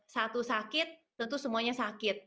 satu sakit tentu semuanya sakit